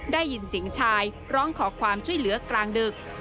ได้ยินเสียงชายร้องขอความช่วยเหลือกลางดึก